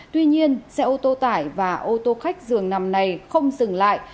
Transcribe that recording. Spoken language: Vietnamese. tuy nhiên xe ô tô tải và ô tô khách dường nằm này không dừng lại